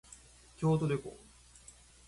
京都旅行